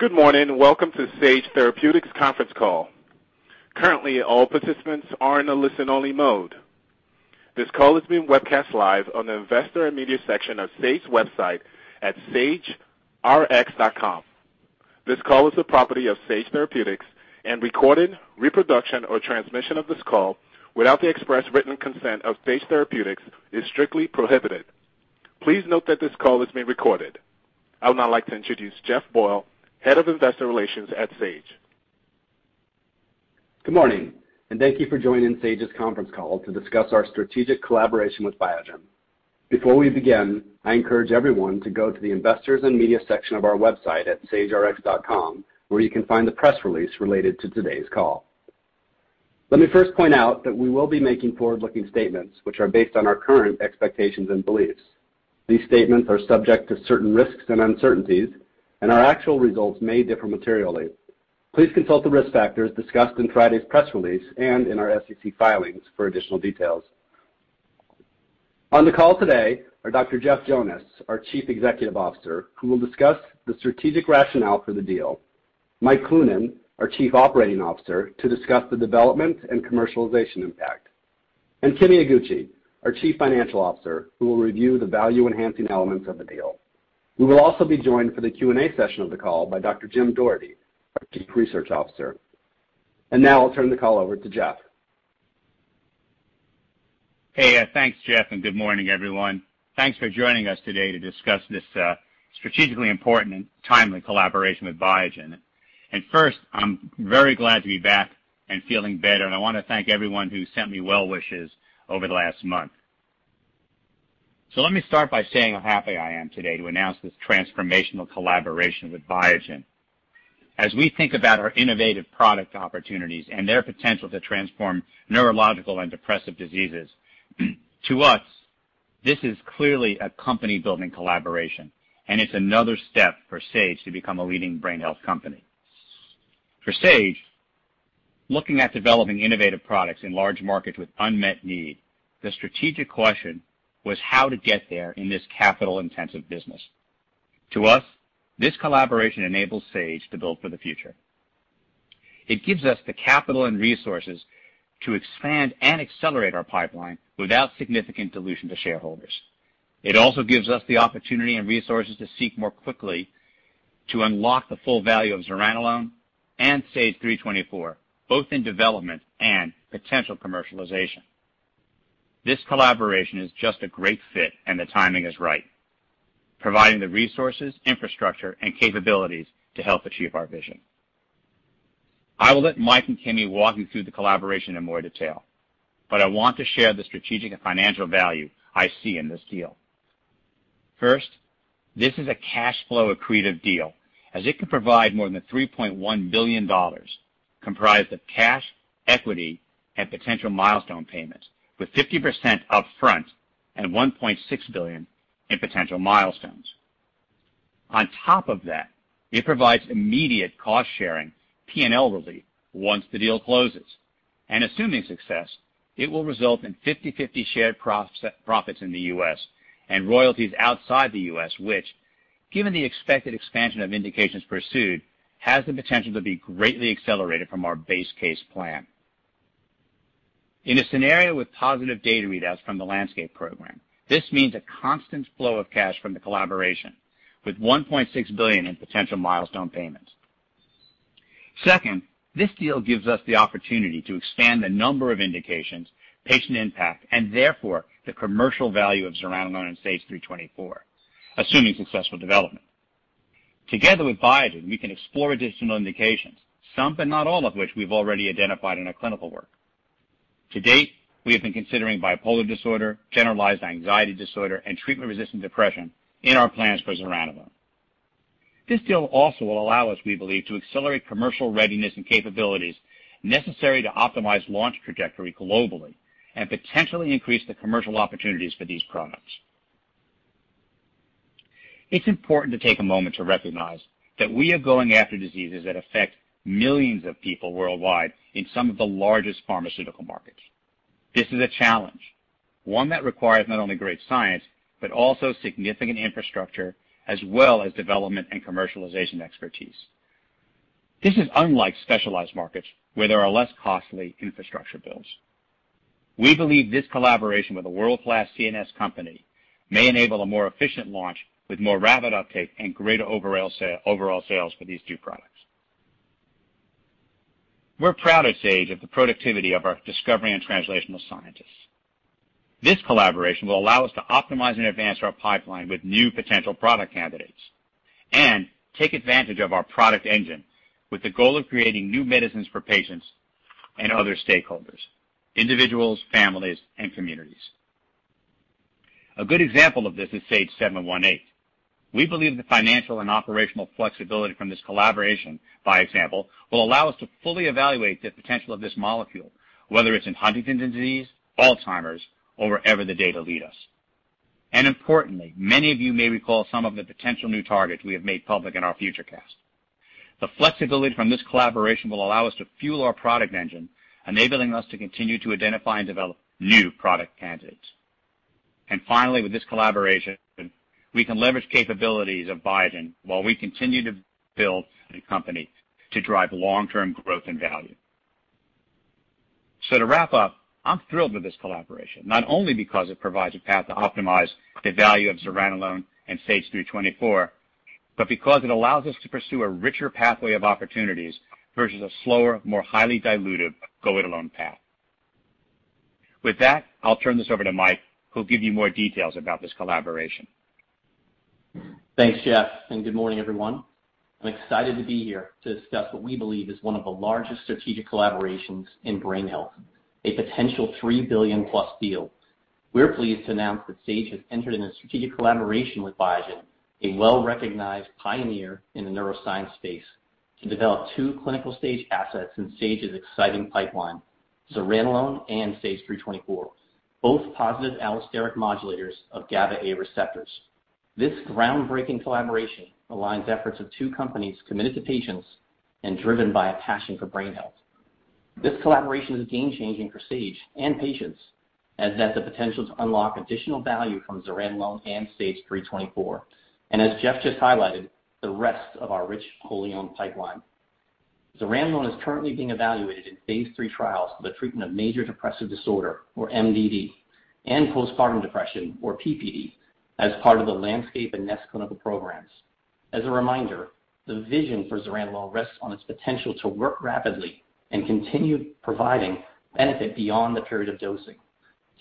Good morning. Welcome to Sage Therapeutics conference call. Currently all participants are in a listen-only mode. This call is being webcast live on the Investor and Media section of Sage website at sagerx.com. This call is the property of Sage Therapeutics, and recording, reproduction or transmission of this call without the express written consent of Sage Therapeutics is strictly prohibited. Please note that this call is being recorded. I would now like to introduce Jeff Boyle, Head of Investor Relations at Sage. Good morning, thank you for joining Sage's conference call to discuss our strategic collaboration with Biogen. Before we begin, I encourage everyone to go to the Investors and Media section of our website at sagerx.com, where you can find the press release related to today's call. Let me first point out that we will be making forward-looking statements which are based on our current expectations and beliefs. These statements are subject to certain risks and uncertainties, and our actual results may differ materially. Please consult the risk factors discussed in Friday's press release and in our SEC filings for additional details. On the call today are Dr. Jeff Jonas, our Chief Executive Officer, who will discuss the strategic rationale for the deal, Mike Cloonan, our Chief Operating Officer, to discuss the development and commercialization impact, and Kimi Iguchi, our Chief Financial Officer, who will review the value-enhancing elements of the deal. We will also be joined for the Q&A session of the call by Dr. Jim Doherty, our Chief Research Officer. Now I'll turn the call over to Jeff. Hey. Thanks, Jeff, good morning, everyone. Thanks for joining us today to discuss this strategically important and timely collaboration with Biogen. First, I'm very glad to be back and feeling better, and I want to thank everyone who sent me well wishes over the last month. Let me start by saying how happy I am today to announce this transformational collaboration with Biogen. As we think about our innovative product opportunities and their potential to transform neurological and depressive diseases, to us, this is clearly a company-building collaboration, and it's another step for Sage to become a leading brain health company. For Sage, looking at developing innovative products in large markets with unmet need, the strategic question was how to get there in this capital-intensive business. To us, this collaboration enables Sage to build for the future. It gives us the capital and resources to expand and accelerate our pipeline without significant dilution to shareholders. It also gives us the opportunity and resources to seek more quickly to unlock the full value of zuranolone and SAGE-324, both in development and potential commercialization. This collaboration is just a great fit, and the timing is right, providing the resources, infrastructure, and capabilities to help achieve our vision. I will let Mike and Kimi walk you through the collaboration in more detail, but I want to share the strategic and financial value I see in this deal. First, this is a cash flow accretive deal as it can provide more than $3.1 billion, comprised of cash, equity, and potential milestone payments, with 50% up front and $1.6 billion in potential milestones. On top of that, it provides immediate cost-sharing P&L relief once the deal closes. Assuming success, it will result in 50/50 shared profits in the U.S. and royalties outside the U.S., which, given the expected expansion of indications pursued, has the potential to be greatly accelerated from our base case plan. In a scenario with positive data readouts from the LANDSCAPE program, this means a constant flow of cash from the collaboration with $1.6 billion in potential milestone payments. Second, this deal gives us the opportunity to expand the number of indications, patient impact, and therefore the commercial value of zuranolone and SAGE-324, assuming successful development. Together with Biogen, we can explore additional indications, some, but not all of which we've already identified in our clinical work. To date, we have been considering bipolar disorder, generalized anxiety disorder, and treatment-resistant depression in our plans for zuranolone. This deal also will allow us, we believe, to accelerate commercial readiness and capabilities necessary to optimize launch trajectory globally and potentially increase the commercial opportunities for these products. It's important to take a moment to recognize that we are going after diseases that affect millions of people worldwide in some of the largest pharmaceutical markets. This is a challenge, one that requires not only great science, but also significant infrastructure as well as development and commercialization expertise. This is unlike specialized markets where there are less costly infrastructure builds. We believe this collaboration with a world-class CNS company may enable a more efficient launch with more rapid uptake and greater overall sales for these two products. We're proud at Sage of the productivity of our discovery and translational scientists. This collaboration will allow us to optimize and advance our pipeline with new potential product candidates and take advantage of our product engine with the goal of creating new medicines for patients and other stakeholders, individuals, families, and communities. A good example of this is SAGE-718. We believe the financial and operational flexibility from this collaboration, by example, will allow us to fully evaluate the potential of this molecule, whether it's in Huntington's disease, Alzheimer's, or wherever the data lead us. Importantly, many of you may recall some of the potential new targets we have made public in our FutureCast. The flexibility from this collaboration will allow us to fuel our product engine, enabling us to continue to identify and develop new product candidates. Finally, with this collaboration, we can leverage capabilities of Biogen while we continue to build the company to drive long-term growth and value. To wrap up, I'm thrilled with this collaboration. Not only because it provides a path to optimize the value of zuranolone and SAGE-324, but because it allows us to pursue a richer pathway of opportunities versus a slower, more highly diluted go-it-alone path. With that, I'll turn this over to Mike, who'll give you more details about this collaboration. Thanks, Jeff. Good morning, everyone. I'm excited to be here to discuss what we believe is one of the largest strategic collaborations in brain health, a potential $3 billion+ deal. We're pleased to announce that Sage has entered into a strategic collaboration with Biogen, a well-recognized pioneer in the neuroscience space, to develop two clinical-stage assets in Sage's exciting pipeline, zuranolone and SAGE-324, both positive allosteric modulators of GABAA receptors. This groundbreaking collaboration aligns efforts of two companies committed to patients and driven by a passion for brain health. This collaboration is game-changing for Sage and patients, as it has the potential to unlock additional value from zuranolone and SAGE-324, as Jeff just highlighted, the rest of our rich pipeline. Zuranolone is currently being evaluated in phase III trials for the treatment of major depressive disorder, or MDD, and postpartum depression, or PPD, as part of the LANDSCAPE and NEST clinical programs. As a reminder, the vision for zuranolone rests on its potential to work rapidly and continue providing benefit beyond the period of dosing.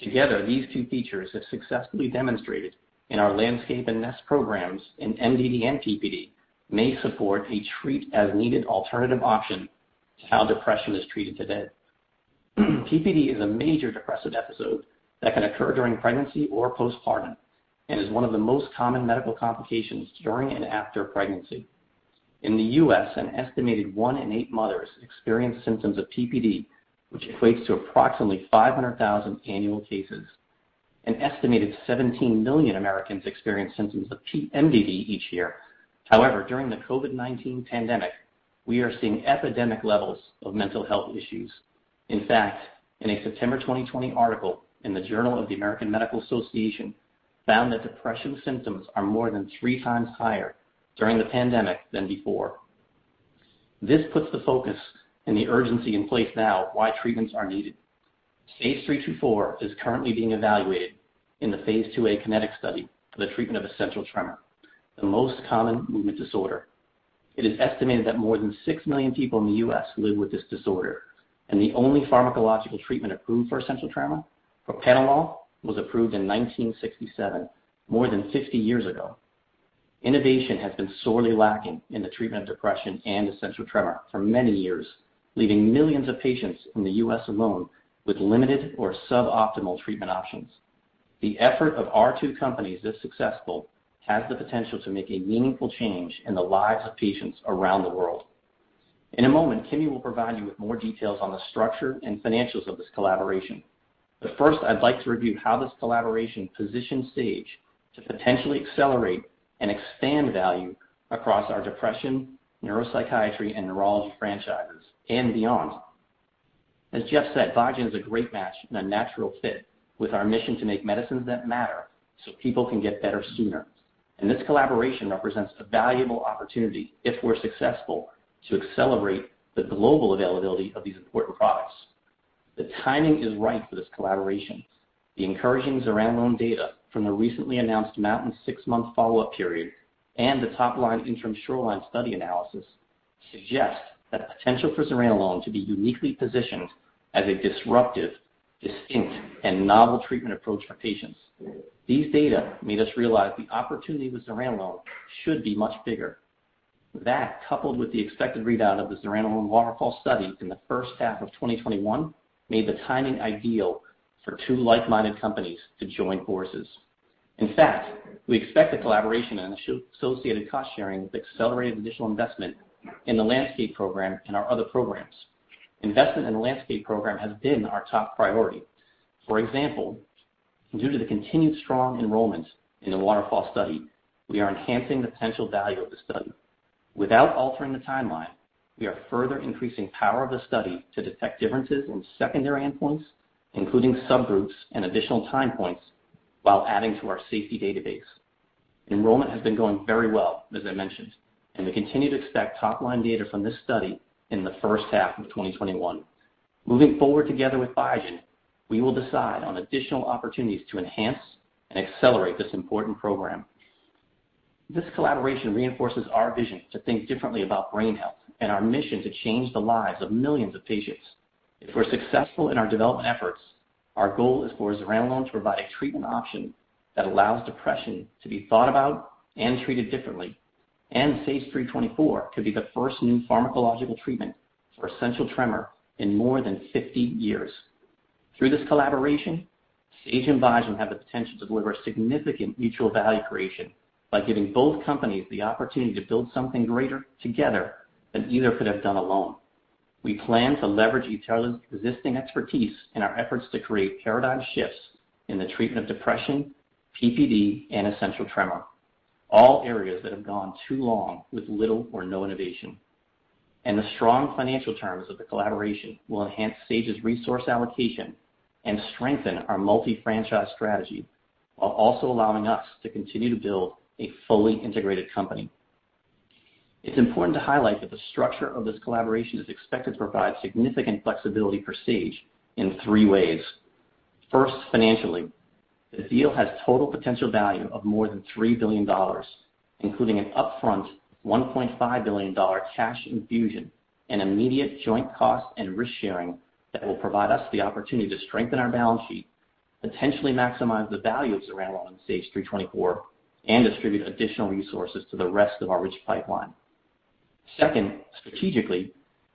Together, these two features have successfully demonstrated in our LANDSCAPE and NEST programs in MDD and PPD may support a treat as needed alternative option to how depression is treated today. PPD is a major depressive episode that can occur during pregnancy or postpartum and is one of the most common medical complications during and after pregnancy. In the U.S., an estimated one in eight mothers experience symptoms of PPD, which equates to approximately 500,000 annual cases. An estimated 17 million Americans experience symptoms of MDD each year. However, during the COVID-19 pandemic, we are seeing epidemic levels of mental health issues. In fact, in a September 2020 article in the Journal of the American Medical Association found that depression symptoms are more than three times higher during the pandemic than before. This puts the focus and the urgency in place now why treatments are needed. SAGE-324 is currently being evaluated in the phase II/a KINETIC Study for the treatment of essential tremor, the most common movement disorder. It is estimated that more than 6 million people in the U.S. live with this disorder, and the only pharmacological treatment approved for essential tremor, propranolol, was approved in 1967, more than 50 years ago. Innovation has been sorely lacking in the treatment of depression and essential tremor for many years, leaving millions of patients in the U.S. alone with limited or suboptimal treatment options. The effort of our two companies, if successful, has the potential to make a meaningful change in the lives of patients around the world. In a moment, Kimi will provide you with more details on the structure and financials of this collaboration. But first, I'd like to review how this collaboration positions Sage to potentially accelerate and expand value across our depression, neuropsychiatry, and neurology franchises and beyond. As Jeff said, Biogen is a great match and a natural fit with our mission to make medicines that matter so people can get better sooner. This collaboration represents a valuable opportunity, if we're successful, to accelerate the global availability of these important products. The timing is right for this collaboration. The encouraging zuranolone data from the recently announced MOUNTAIN six-month follow-up period and the top line interim SHORELINE study analysis suggest the potential for zuranolone to be uniquely positioned as a disruptive, distinct, and novel treatment approach for patients. These data made us realize the opportunity with zuranolone should be much bigger. That, coupled with the expected readout of the zuranolone WATERFALL study in the first half of 2021, made the timing ideal for two like-minded companies to join forces. In fact, we expect the collaboration and the associated cost-sharing will accelerate additional investment in the Landscape program and our other programs. Investment in the Landscape program has been our top priority. For example, due to the continued strong enrollment in the WATERFALL study, we are enhancing the potential value of the study. Without altering the timeline, we are further increasing power of the study to detect differences in secondary endpoints, including subgroups and additional time points, while adding to our safety database. Enrollment has been going very well, as I mentioned, and we continue to expect top-line data from this study in the first half of 2021. Moving forward together with Biogen, we will decide on additional opportunities to enhance and accelerate this important program. This collaboration reinforces our vision to think differently about brain health and our mission to change the lives of millions of patients. If we're successful in our development efforts, our goal is for zuranolone to provide a treatment option that allows depression to be thought about and treated differently, and SAGE-324 could be the first new pharmacological treatment for essential tremor in more than 50 years. Through this collaboration, Sage and Biogen have the potential to deliver significant mutual value creation by giving both companies the opportunity to build something greater together than either could have done alone. We plan to leverage each other's existing expertise in our efforts to create paradigm shifts in the treatment of depression, PPD, and essential tremor, all areas that have gone too long with little or no innovation. The strong financial terms of the collaboration will enhance Sage's resource allocation and strengthen our multi-franchise strategy, while also allowing us to continue to build a fully integrated company. It's important to highlight that the structure of this collaboration is expected to provide significant flexibility for Sage in three ways. First, financially, the deal has total potential value of more than $3 billion, including an upfront $1.5 billion cash infusion and immediate joint cost and risk-sharing that will provide us the opportunity to strengthen our balance sheet, potentially maximize the value of zuranolone and SAGE-324, and distribute additional resources to the rest of our rich pipeline. Second, strategically,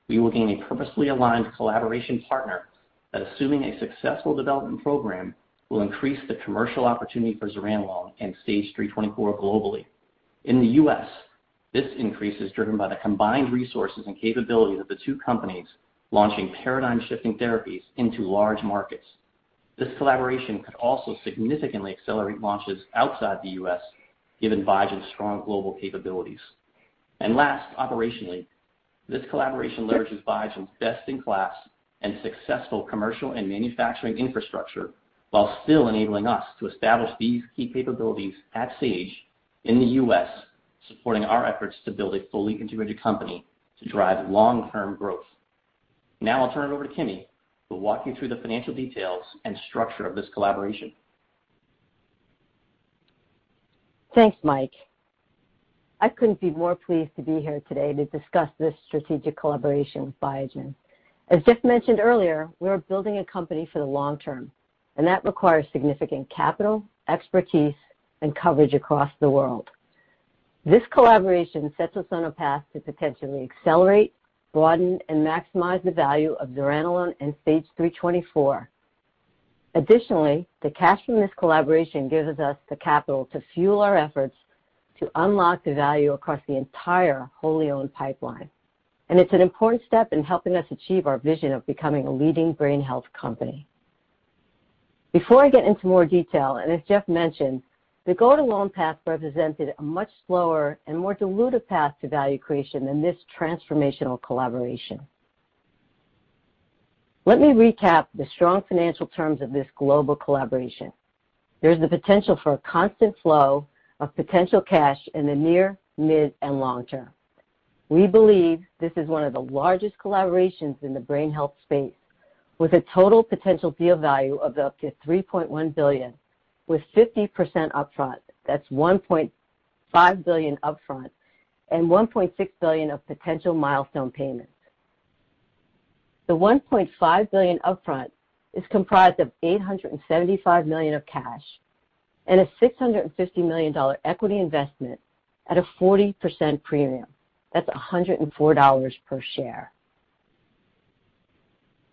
we will gain a purposely aligned collaboration partner that, assuming a successful development program, will increase the commercial opportunity for zuranolone and SAGE-324 globally. In the U.S., this increase is driven by the combined resources and capabilities of the two companies launching paradigm-shifting therapies into large markets. This collaboration could also significantly accelerate launches outside the U.S. given Biogen's strong global capabilities. Last, operationally, this collaboration leverages Biogen's best-in-class and successful commercial and manufacturing infrastructure while still enabling us to establish these key capabilities at Sage in the U.S., supporting our efforts to build a fully integrated company to drive long-term growth. I'll turn it over to Kimi, who'll walk you through the financial details and structure of this collaboration. Thanks, Mike. I couldn't be more pleased to be here today to discuss this strategic collaboration with Biogen. As Jeff mentioned earlier, we are building a company for the long term, that requires significant capital, expertise, and coverage across the world. This collaboration sets us on a path to potentially accelerate, broaden, and maximize the value of zuranolone and SAGE-324. Additionally, the cash from this collaboration gives us the capital to fuel our efforts to unlock the value across the entire wholly-owned pipeline. It's an important step in helping us achieve our vision of becoming a leading brain health company. Before I get into more detail, as Jeff mentioned, the go-it-alone path represented a much slower and more dilutive path to value creation than this transformational collaboration. Let me recap the strong financial terms of this global collaboration. There is the potential for a constant flow of potential cash in the near, mid, and long term. We believe this is one of the largest collaborations in the brain health space, with a total potential deal value of up to $3.1 billion, with 50% upfront. That's $1.5 billion upfront and $1.6 billion of potential milestone payments. The $1.5 billion upfront is comprised of $875 million of cash and a $650 million equity investment at a 40% premium. That's $104 per share.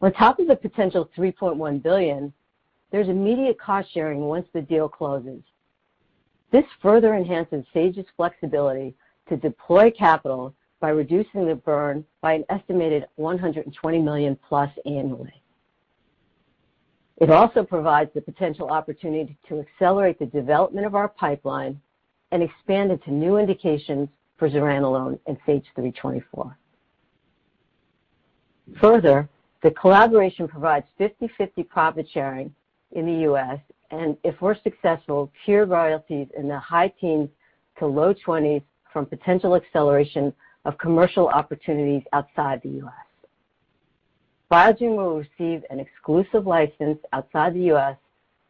On top of the potential $3.1 billion, there's immediate cost-sharing once the deal closes. This further enhances Sage's flexibility to deploy capital by reducing the burn by an estimated $120 million+ annually. It also provides the potential opportunity to accelerate the development of our pipeline and expand into new indications for zuranolone and SAGE-324. Further, the collaboration provides 50/50 profit-sharing in the U.S., and if we're successful, tier royalties in the high teens to low 20s from potential acceleration of commercial opportunities outside the U.S. Biogen will receive an exclusive license outside the U.S.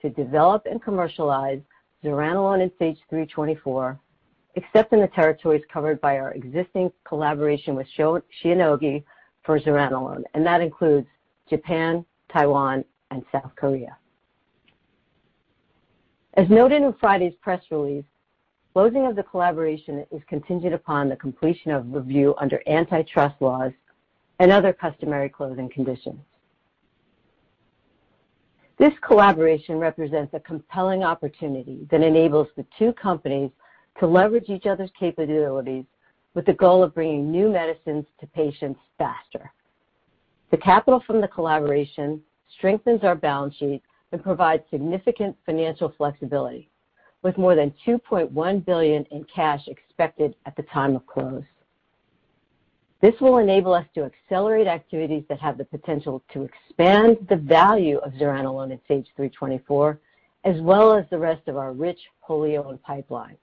to develop and commercialize zuranolone and SAGE-324, except in the territories covered by our existing collaboration with Shionogi for zuranolone, and that includes Japan, Taiwan, and South Korea. As noted in Friday's press release, closing of the collaboration is contingent upon the completion of review under antitrust laws and other customary closing conditions. This collaboration represents a compelling opportunity that enables the two companies to leverage each other's capabilities with the goal of bringing new medicines to patients faster. The capital from the collaboration strengthens our balance sheet and provides significant financial flexibility, with more than $2.1 billion in cash expected at the time of close. This will enable us to accelerate activities that have the potential to expand the value of zuranolone and SAGE-324, as well as the rest of our rich wholly owned pipeline.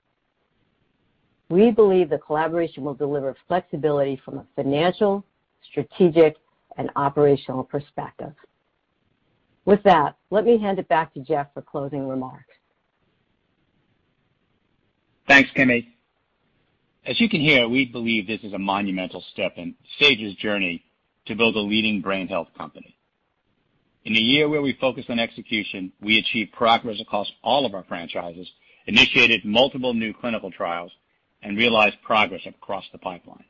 We believe the collaboration will deliver flexibility from a financial, strategic, and operational perspective. With that, let me hand it back to Jeff for closing remarks. Thanks, Kimi. As you can hear, we believe this is a monumental step in Sage's journey to build a leading brain health company. In a year where we focused on execution, we achieved progress across all of our franchises, initiated multiple new clinical trials, and realized progress across the pipeline.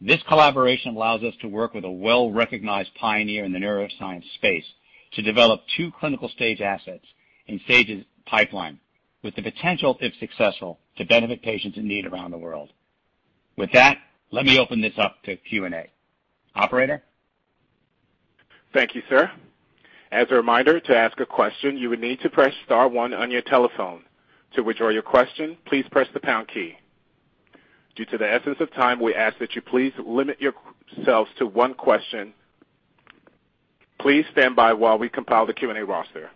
This collaboration allows us to work with a well-recognized pioneer in the neuroscience space to develop two clinical-stage assets in Sage's pipeline, with the potential, if successful, to benefit patients in need around the world. With that, let me open this up to Q&A. Operator? Thank you, sir. As a reminder, to ask a question, you would need to press star one on your telephone. To withdraw your question, please press the pound key. Due to the essence of time, we ask that you please limit yourselves to one question. Please stand by while we compile the Q&A roster.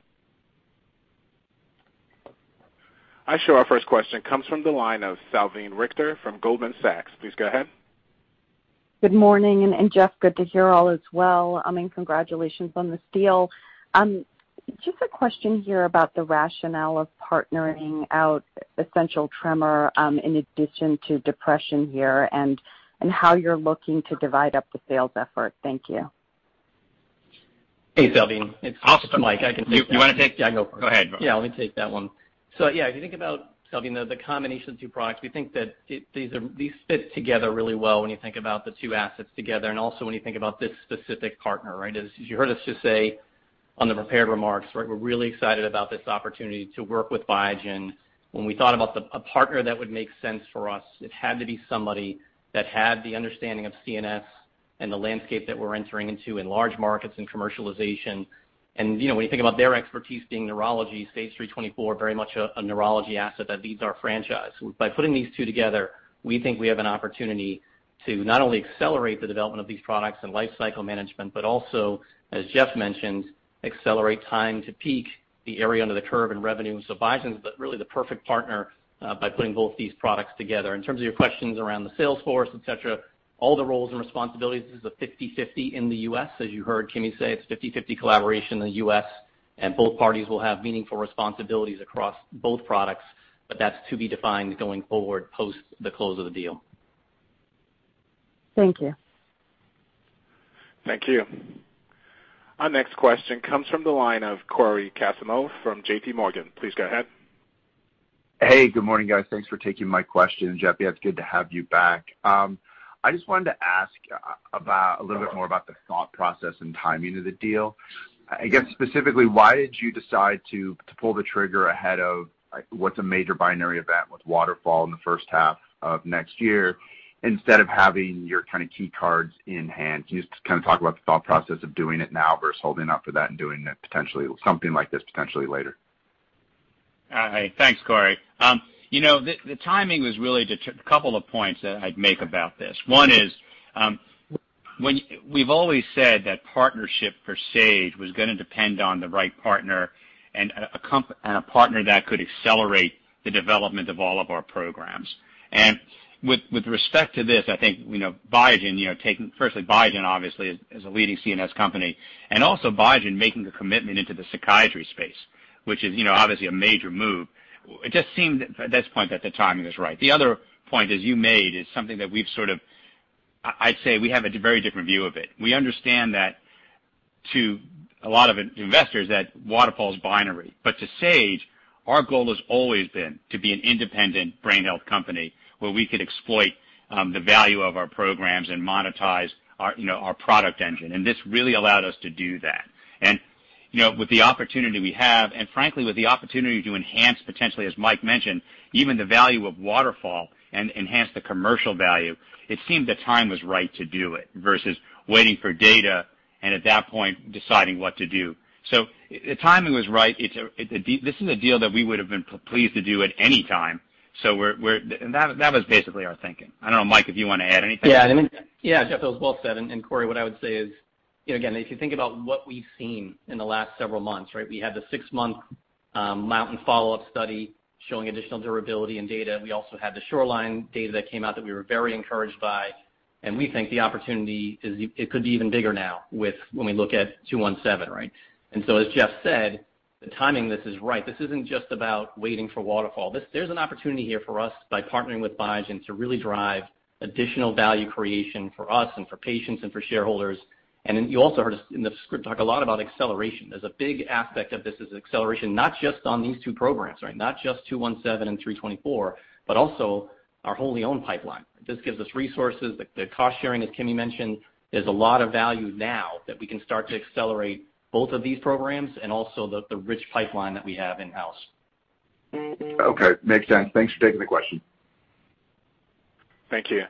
I show our first question comes from the line of Salveen Richter from Goldman Sachs. Please go ahead. Good morning. Jeff, good to hear all is well. Congratulations on this deal. Just a question here about the rationale of partnering out essential tremor, in addition to depression here, and how you're looking to divide up the sales effort? Thank you. Hey, Salveen. It's Mike, I can take that. You want to take? Yeah, I can go for it. Go ahead. Yeah, let me take that one. If you think about, Salveen, the combination of two products, we think that these fit together really well when you think about the two assets together and also when you think about this specific partner. As you heard us just say on the prepared remarks, we're really excited about this opportunity to work with Biogen. When we thought about a partner that would make sense for us, it had to be somebody that had the understanding of CNS and the landscape that we're entering into in large markets, in commercialization. When you think about their expertise being neurology, SAGE-324 very much a neurology asset that leads our franchise. By putting these two together, we think we have an opportunity to not only accelerate the development of these products and life cycle management, but also, as Jeff mentioned, accelerate time to peak the area under the curve in revenue. Biogen's really the perfect partner by putting both these products together. In terms of your questions around the sales force, et cetera, all the roles and responsibilities, this is a 50/50 in the U.S. as you heard Kimi say, it's 50/50 collaboration in the U.S., and both parties will have meaningful responsibilities across both products. That's to be defined going forward post the close of the deal. Thank you. Thank you. Our next question comes from the line of Cory Kasimov from JPMorgan. Please go ahead. Hey, good morning, guys. Thanks for taking my question. Jeff, yeah, it's good to have you back. I just wanted to ask a little bit more about the thought process and timing of the deal. I guess specifically, why did you decide to pull the trigger ahead of what's a major binary event with WATERFALL in the first half of next year, instead of having your key cards in hand? Can you just talk about the thought process of doing it now versus holding out for that and doing something like this potentially later? Thanks, Cory. The timing was really just a couple of points that I'd make about this. One is, we've always said that partnership for Sage was going to depend on the right partner and a partner that could accelerate the development of all of our programs. With respect to this, I think firstly, Biogen obviously is a leading CNS company. Also Biogen making the commitment into the psychiatry space, which is obviously a major move. It just seemed at this point that the timing was right. The other point, as you made, is something that we've sort of I'd say we have a very different view of it. We understand that to a lot of investors, that WATERFALL's binary. But to Sage, our goal has always been to be an independent brain health company where we could exploit the value of our programs and monetize our product engine, and this really allowed us to do that. With the opportunity we have, and frankly, with the opportunity to enhance, potentially, as Mike mentioned, even the value of WATERFALL and enhance the commercial value, it seemed the time was right to do it versus waiting for data and at that point, deciding what to do. The timing was right. This is a deal that we would've been pleased to do at any time. That was basically our thinking. I don't know, Mike, if you want to add anything? Yeah, Jeff, that was well said. Cory, what I would say is, again, if you think about what we've seen in the last several months. We had the six-month MOUNTAIN follow-up study showing additional durability and data. We also had the SHORELINE data that came out that we were very encouraged by, and we think the opportunity could be even bigger now when we look at 217. As Jeff said, the timing of this is right. This isn't just about waiting for WATERFALL. There's an opportunity here for us by partnering with Biogen to really drive additional value creation for us and for patients and for shareholders. Then you also heard us in the script talk a lot about acceleration. There's a big aspect of this as acceleration, not just on these two programs. Not just 217 and 324, but also our wholly owned pipeline. This gives us resources. The cost sharing, as Kimi mentioned. There's a lot of value now that we can start to accelerate both of these programs and also the rich pipeline that we have in-house. Okay, makes sense. Thanks for taking the question. Thank you.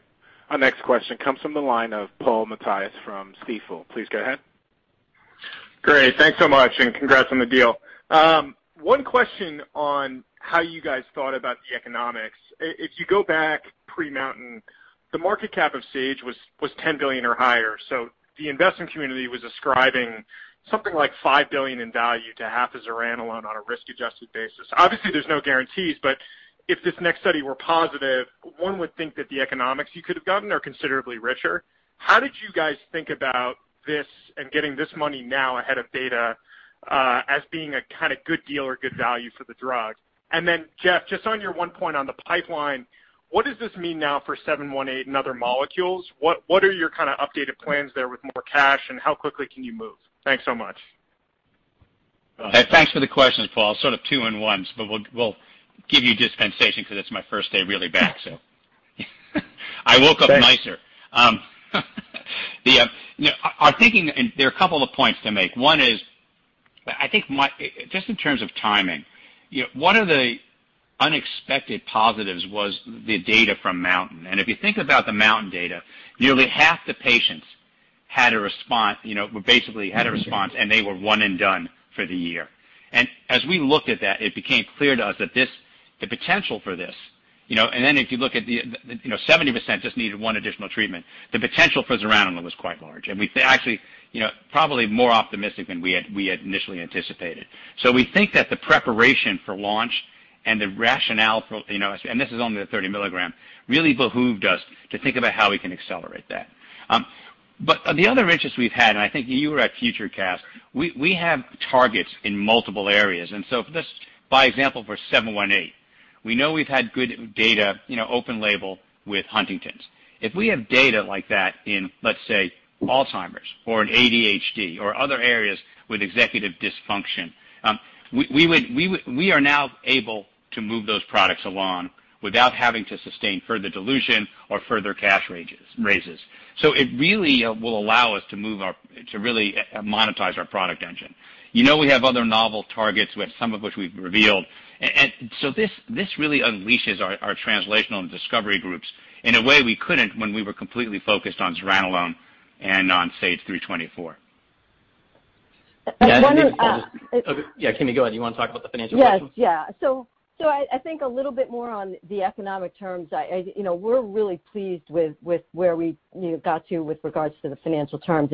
Our next question comes from the line of Paul Matteis from Stifel. Please go ahead. Great. Thanks so much and congrats on the deal. One question on how you guys thought about the economics. If you go back pre-MOUNTAIN, the market cap of Sage was $10 billion or higher, so the investment community was ascribing something like $5 billion in value to zuranolone alone on a risk-adjusted basis. Obviously, there's no guarantees, but if this next study were positive, one would think that the economics you could have gotten are considerably richer. How did you guys think about this and getting this money now ahead of data, as being a good deal or good value for the drug? Then Jeff, just on your one point on the pipeline, what does this mean now for 718 and other molecules? What are your updated plans there with more cash, and how quickly can you move? Thanks so much. Thanks for the questions, Paul. Sort of two in one, but we'll give you dispensation because it's my first day really back, so I woke up nicer. Thanks. Our thinking, and there are a couple of points to make. One is I think just in terms of timing, one of the unexpected positives was the data from MOUNTAIN. If you think about the MOUNTAIN data, nearly half the patients basically had a response, and they were one and done for the year. As we looked at that, it became clear to us the potential for this. If you look at the 70% just needed one additional treatment. The potential for zuranolone was quite large, and actually, probably more optimistic than we had initially anticipated. We think that the preparation for launch and the rationale for, and this is only the 30 mg, really behooved us to think about how we can accelerate that. The other interest we've had, and I think you were at FutureCast, we have targets in multiple areas. For this, by example, for 718, we know we've had good data open label with Huntington's. If we have data like that in, let's say, Alzheimer's or in ADHD or other areas with executive dysfunction, we are now able to move those products along without having to sustain further dilution or further cash raises. It really will allow us to really monetize our product engine. You know we have other novel targets, some of which we've revealed. This really unleashes our translational and discovery groups in a way we couldn't when we were completely focused on zuranolone and on SAGE-324. And one- Yeah, Kimi, go ahead. You want to talk about the financial question? Yes. Yeah. I think a little bit more on the economic terms. We're really pleased with where we got to with regards to the financial terms.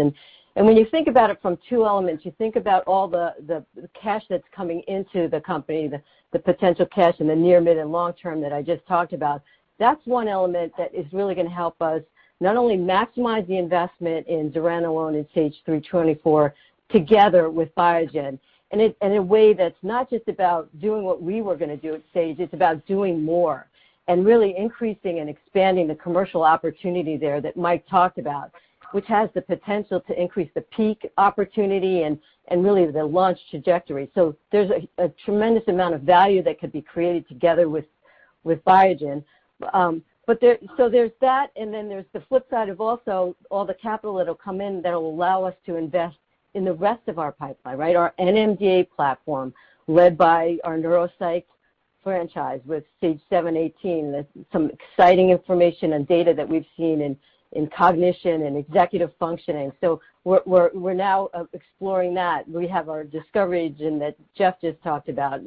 When you think about it from two elements, you think about all the cash that's coming into the company, the potential cash in the near, mid, and long term that I just talked about. That's one element that is really going to help us not only maximize the investment in zuranolone and SAGE-324 together with Biogen in a way that's not just about doing what we were going to do at Sage, it's about doing more and really increasing and expanding the commercial opportunity there that Mike talked about, which has the potential to increase the peak opportunity and really the launch trajectory. There's a tremendous amount of value that could be created together with Biogen. There's that, and then there's the flip side of also all the capital that'll come in that'll allow us to invest in the rest of our pipeline, right? Our NMDA platform, led by our neuropsych franchise with SAGE-718. There's some exciting information and data that we've seen in cognition and executive functioning. We're now exploring that. We have our discovery engine that Jeff just talked about.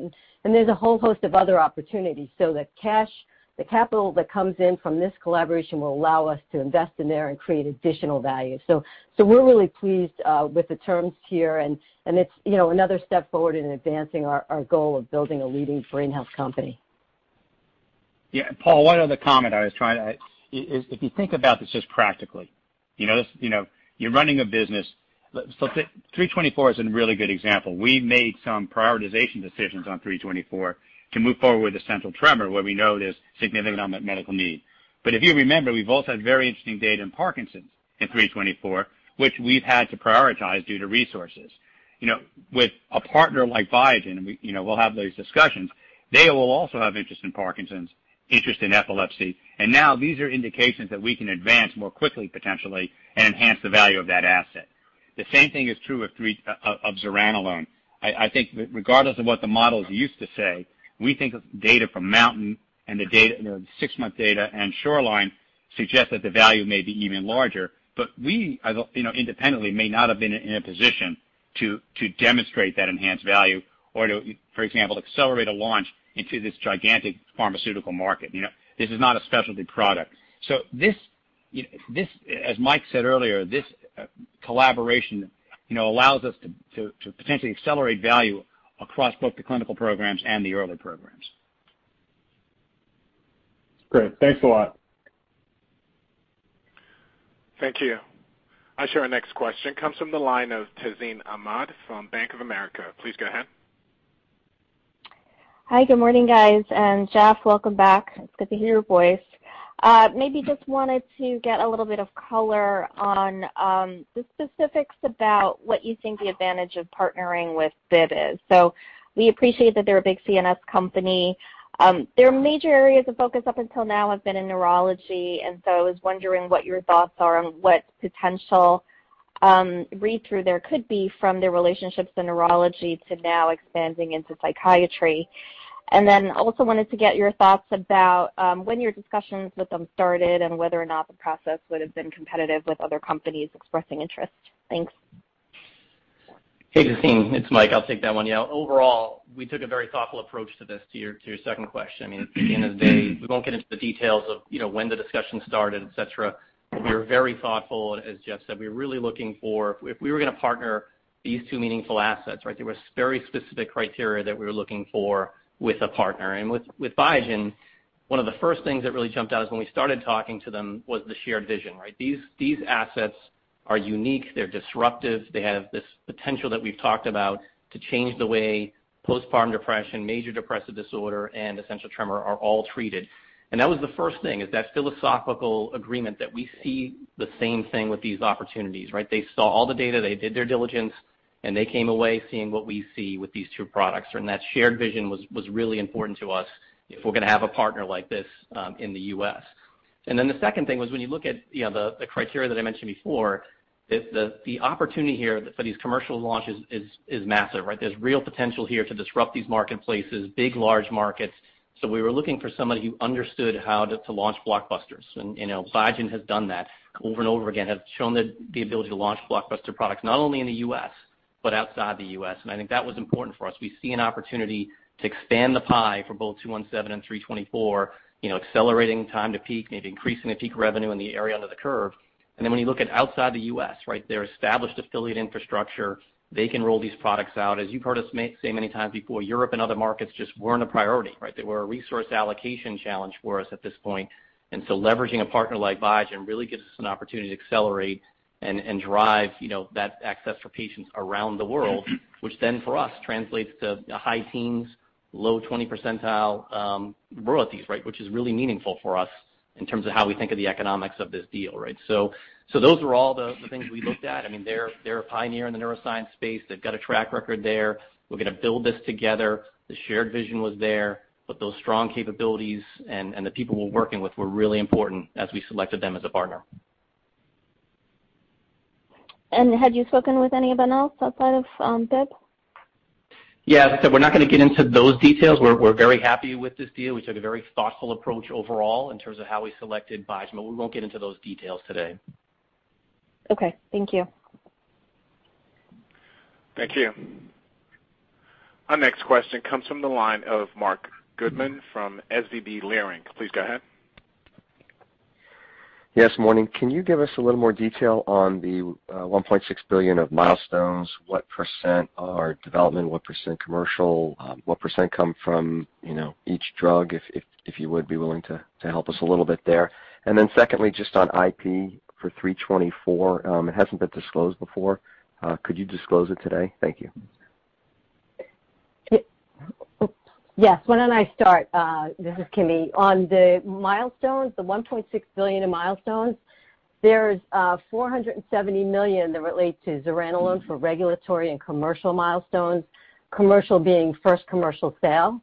There's a whole host of other opportunities. The cash, the capital that comes in from this collaboration will allow us to invest in there and create additional value. We're really pleased with the terms here, and it's another step forward in advancing our goal of building a leading brain health company. Paul, if you think about this just practically. 324 is a really good example. We made some prioritization decisions on 324 to move forward with essential tremor, where we know there's significant medical need. If you remember, we've also had very interesting data in Parkinson's in 324, which we've had to prioritize due to resources. With a partner like Biogen, and we'll have those discussions, they will also have interest in Parkinson's, interest in epilepsy. Now these are indications that we can advance more quickly, potentially, and enhance the value of that asset. The same thing is true of zuranolone. I think regardless of what the models used to say, we think of data from MOUNTAIN and the six-month data and SHORELINE suggest that the value may be even larger. We, independently, may not have been in a position to demonstrate that enhanced value or to, for example, accelerate a launch into this gigantic pharmaceutical market. This is not a specialty product. This, as Mike said earlier, this collaboration allows us to potentially accelerate value across both the clinical programs and the earlier programs. Great. Thanks a lot. Thank you. Our next question comes from the line of Tazeen Ahmad from Bank of America. Please go ahead. Hi, good morning, guys. Jeff, welcome back. It's good to hear your voice. Maybe just wanted to get a little bit of color on the specifics about what you think the advantage of partnering with Biogen is? We appreciate that they're a big CNS company. Their major areas of focus up until now have been in neurology, I was wondering what your thoughts are on what potential read-through there could be from their relationships in neurology to now expanding into psychiatry. Also wanted to get your thoughts about when your discussions with them started and whether or not the process would have been competitive with other companies expressing interest. Thanks. Hey, Tazeen, it's Mike. I'll take that one. Overall, we took a very thoughtful approach to this, to your second question. At the end of the day, we won't get into the details of when the discussion started, et cetera. We were very thoughtful. As Jeff said, if we were going to partner these two meaningful assets. There were very specific criteria that we were looking for with a partner. With Biogen, one of the first things that really jumped out is when we started talking to them was the shared vision. These assets are unique. They're disruptive. They have this potential that we've talked about to change the way postpartum depression, major depressive disorder, and essential tremor are all treated. That was the first thing, is that philosophical agreement that we see the same thing with these opportunities. They saw all the data, they did their diligence, and they came away seeing what we see with these two products. That shared vision was really important to us if we're going to have a partner like this in the U.S. The second thing was when you look at the criteria that I mentioned before, the opportunity here for these commercial launches is massive, right? There's real potential here to disrupt these marketplaces, big, large markets. We were looking for somebody who understood how to launch blockbusters. Biogen has done that over and over again, has shown the ability to launch blockbuster products, not only in the U.S. but outside the U.S., and I think that was important for us. We see an opportunity to expand the pie for both 217 and 324, accelerating time to peak, maybe increasing the peak revenue in the area under the curve. When you look at outside the U.S., their established affiliate infrastructure, they can roll these products out. As you've heard us say many times before, Europe and other markets just weren't a priority. They were a resource allocation challenge for us at this point. Leveraging a partner like Biogen really gives us an opportunity to accelerate and drive that access for patients around the world, which then for us translates to high teens, low 20% royalties, which is really meaningful for us in terms of how we think of the economics of this deal. Those are all the things we looked at. They're a pioneer in the neuroscience space. They've got a track record there. We're going to build this together. The shared vision was there, but those strong capabilities and the people we're working with were really important as we selected them as a partner. Had you spoken with anyone else outside of [Biogen]? Yes. We're not going to get into those details. We're very happy with this deal. We took a very thoughtful approach overall in terms of how we selected Biogen, but we won't get into those details today. Okay, thank you. Thank you. Our next question comes from the line of Marc Goodman from SVB Leerink. Please go ahead. Yes, morning. Can you give us a little more detail on the $1.6 billion of milestones? What % are development? What % commercial? What % come from each drug? If you would be willing to help us a little bit there. Secondly, just on IP for 324, it hasn't been disclosed before. Could you disclose it today? Thank you. Yes. Why don't I start? This is Kimi. On the milestones, the $1.6 billion in milestones, there's $470 million that relate to zuranolone for regulatory and commercial milestones, commercial being first commercial sale.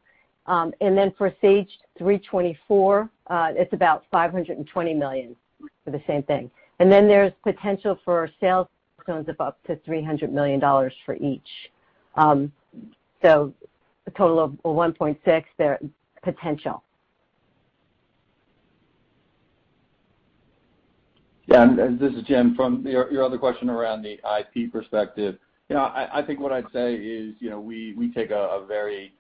Then for SAGE-324, it's about $520 million for the same thing. Then there's potential for sales of up to $300 million for each. A total of $1.6 there potential. This is Jim. From your other question around the IP perspective, what I'd say is we take a very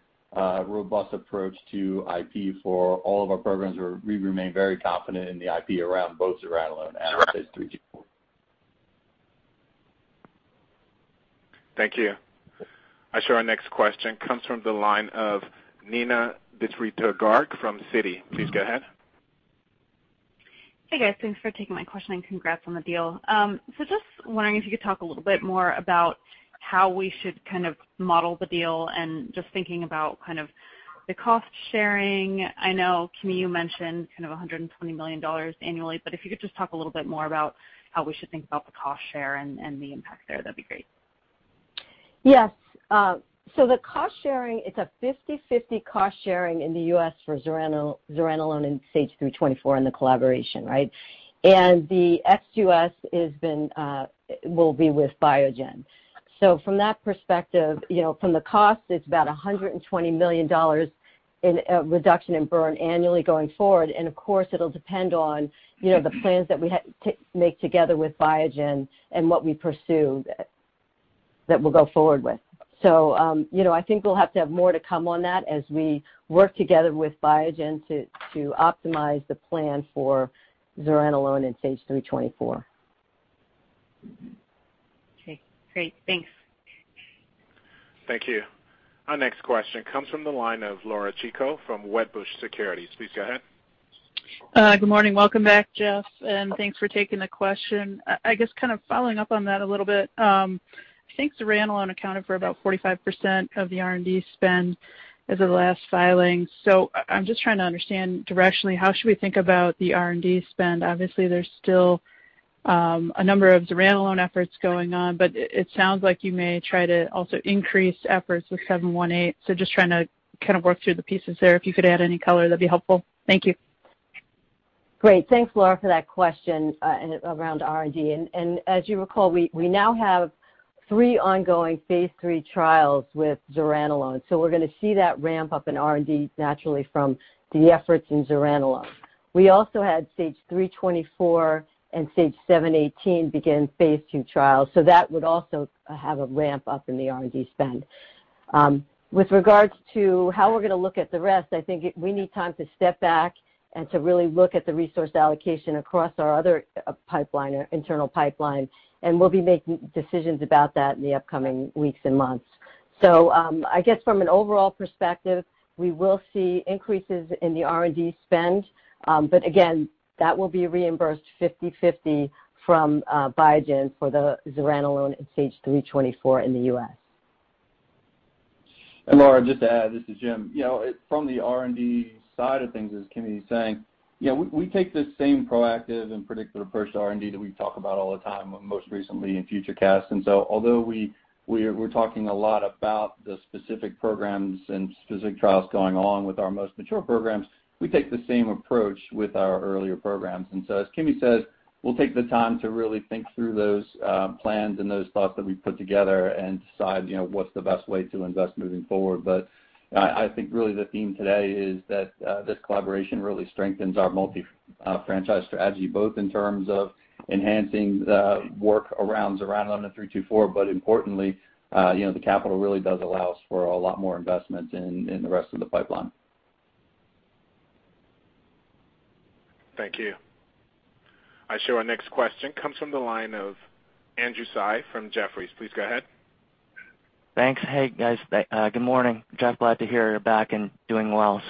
robust approach to IP for all of our programs. We remain very confident in the IP around both zuranolone and SAGE-324. Thank you. I show our next question comes from the line of Neena Bitritto-Garg from Citi. Please go ahead. Hey, guys. Thanks for taking my question and congrats on the deal. Just wondering if you could talk a little bit more about how we should kind of model the deal and just thinking about kind of the cost sharing. I know, Kimi, you mentioned kind of $120 million annually, but if you could just talk a little bit more about how we should think about the cost share and the impact there, that'd be great. Yes. The cost sharing, it's a 50/50 cost sharing in the U.S. for zuranolone and SAGE-324 in the collaboration, right? The ex-U.S. will be with Biogen. From that perspective, from the cost, it's about $120 million in reduction in burn annually going forward. Of course, it'll depend on the plans that we make together with Biogen and what we pursue that we'll go forward with. I think we'll have to have more to come on that as we work together with Biogen to optimize the plan for zuranolone and SAGE-324. Okay, great. Thanks. Thank you. Our next question comes from the line of Laura Chico from Wedbush Securities. Please go ahead. Good morning. Welcome back, Jeff. Thanks for taking the question. I guess kind of following up on that a little bit. I think zuranolone accounted for about 45% of the R&D spend as of the last filing. I'm just trying to understand directionally, how should we think about the R&D spend? Obviously, there's still a number of zuranolone efforts going on, it sounds like you may try to also increase efforts with 718. Just trying to kind of work through the pieces there. If you could add any color, that'd be helpful. Thank you. Great. Thanks, Laura, for that question around R&D. As you recall, we now have three ongoing phase III trials with zuranolone. We're going to see that ramp up in R&D naturally from the efforts in zuranolone. We also had SAGE-324 and SAGE-718 begin phase II trials. That would also have a ramp up in the R&D spend. With regards to how we're going to look at the rest, I think we need time to step back and to really look at the resource allocation across our other internal pipeline, and we'll be making decisions about that in the upcoming weeks and months. I guess from an overall perspective, we will see increases in the R&D spend. Again, that will be reimbursed 50/50 from Biogen for the zuranolone and SAGE-324 in the U.S. Laura, just to add, this is Jim. From the R&D side of things, as Kimi is saying, we take the same proactive and predictive approach to R&D that we talk about all the time, most recently in FutureCast. Although we're talking a lot about the specific programs and specific trials going on with our most mature programs, we take the same approach with our earlier programs. As Kimi says, we'll take the time to really think through those plans and those thoughts that we've put together and decide what's the best way to invest moving forward. I think really the theme today is that this collaboration really strengthens our multi-franchise strategy, both in terms of enhancing the work around zuranolone and SAGE-324, but importantly, the capital really does allow us for a lot more investment in the rest of the pipeline. Thank you. I show our next question comes from the line of Andrew Tsai from Jefferies. Please go ahead. Thanks. Hey, guys. Good morning. Jeff, glad to hear you're back and doing well.